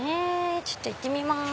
ちょっと行ってみます。